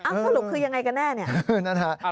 สรุปคือยังไงกันแน่เนี่ย